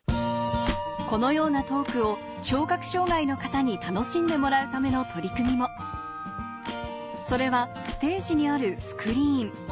このようなトークを聴覚障がいの方に楽しんでもらうための取り組みもそれはステージにあるスクリーン